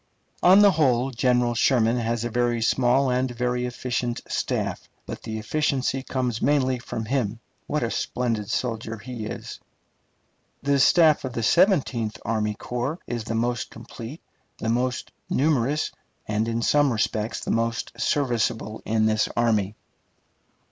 On the whole, General Sherman has a very small and very efficient staff; but the efficiency comes mainly from him. What a splendid soldier he is! The staff of the Seventeenth Army Corps is the most complete, the most numerous, and in some respects the most serviceable in this army.